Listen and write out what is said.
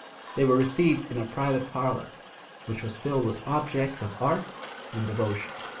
They were received in a private parlour, which was filled with objects of art and devotion.